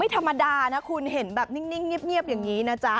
ธรรมดานะคุณเห็นแบบนิ่งเงียบอย่างนี้นะจ๊ะ